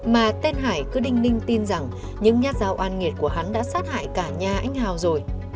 mà tên hải cứ đinh ninh tin rằng những nhát dao oan nghiệt của hắn đã sát hại cả nhà anh hào rồi